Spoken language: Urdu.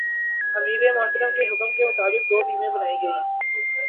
امیر محترم کے حکم کے مطابق دو ٹیمیں بنائی گئیں ۔